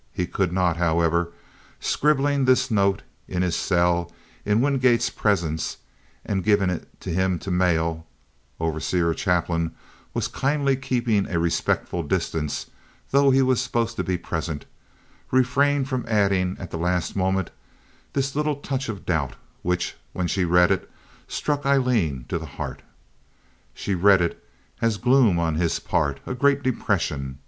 He could not, however, scribbling this note in his cell in Wingate's presence, and giving it to him to mail (Overseer Chapin was kindly keeping a respectful distance, though he was supposed to be present), refrain from adding, at the last moment, this little touch of doubt which, when she read it, struck Aileen to the heart. She read it as gloom on his part—as great depression.